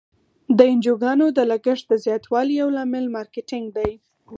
د انجوګانو د لګښت د زیاتوالي یو لامل مارکیټینګ دی.